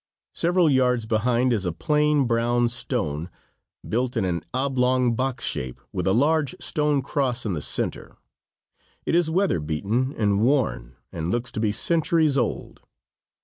Several yards beyond is a plain, brown stone, built in an oblong box shape, with a large, stone cross in the center. It is weather beaten and worn, and looks to be centuries old.